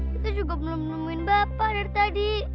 kita juga belum nemuin bapak dari tadi